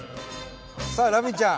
さあラミちゃん。